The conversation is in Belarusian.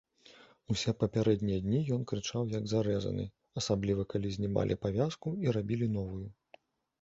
Усе папярэднія дні ён крычаў, як зарэзаны, асабліва калі знімалі павязку і рабілі новую.